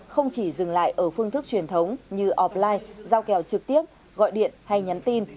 không chỉ dừng lại ở phương thức truyền thống như offline giao kèo trực tiếp gọi điện hay nhắn tin